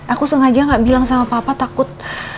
aku sengaja gak bilang sama papa takut